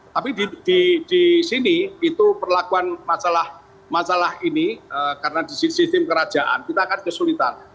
tapi di sini itu perlakuan masalah ini karena di sistem kerajaan kita akan kesulitan